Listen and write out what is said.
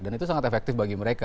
dan itu sangat efektif bagi mereka